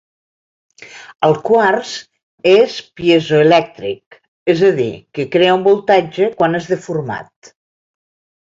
El quars és piezoelèctric, és a dir, que crea un voltatge quan és deformat.